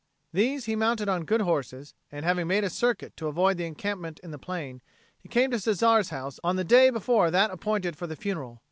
These he mounted on good horses, and, having made a circuit to avoid the encampment in the plain, he came to Cesare's house on the day before that appointed for the funeral.